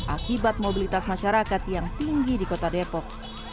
akibat mobilitas masyarakat yang tinggi di kota depok